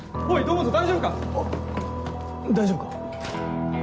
大丈夫か？